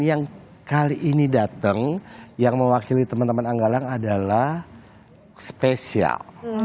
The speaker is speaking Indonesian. yang kali ini datang yang mewakili teman teman anggalang adalah spesial